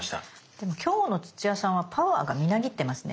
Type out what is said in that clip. でも今日の土屋さんはパワーがみなぎってますね。